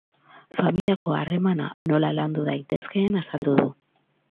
Familiako harremana nola landu daitezkeen azalduko du.